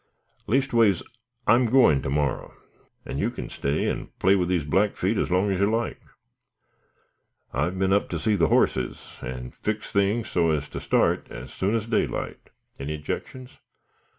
Leastways, I'm goin' to morrow, an' you kin stay and play with these Blackfeet as long as you like. I've been up to see the horses, and fixed things so as to start as soon as daylight. Any 'jections?"